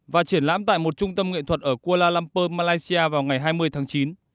đã ám tại một trung tâm nghệ thuật ở kuala lumpur malaysia vào ngày hai mươi tháng chín